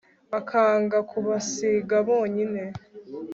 akanga kubasiga bonyine